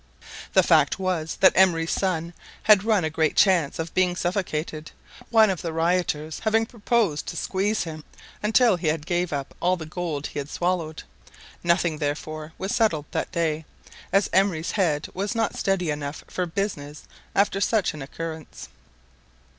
The fact was that Emery's son had run a great chance of being suffocated, one of the rioters having proposed to squeeze him until he gave up all the gold he had swallowed. Nothing, therefore, was settled that day, as Emery's head was not steady enough for business after such an occurrence.